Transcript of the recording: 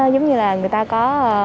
giống như là người ta có